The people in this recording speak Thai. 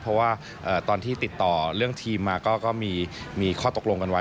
เพราะว่าตอนที่ติดต่อเรื่องทีมมาก็มีข้อตกลงกันไว้